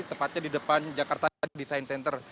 tepatnya di depan jakarta design center